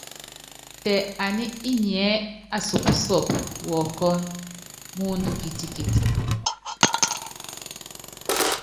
Tɛ aná inyɛ́ asupúsɔp wɔɔkɔ́n, mɔɔndɔ kitikit.